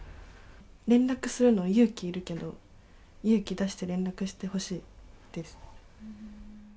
連絡するの勇気いるけど、勇気出して連絡してほしいです。